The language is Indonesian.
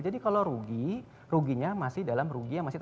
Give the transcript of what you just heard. jadi kalau rugi ruginya masih dalam rugi yang masih ada